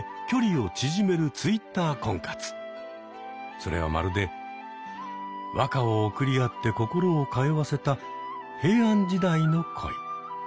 それはまるで和歌を送り合って心を通わせた平安時代の恋。